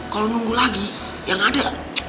kalau nunggu lagi yang ada